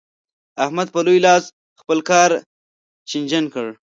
احمد په لوی لاس خپل کار چينجن کړ.